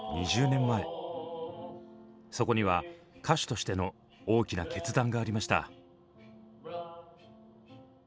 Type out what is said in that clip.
そこには歌手としての大きな決断がありました。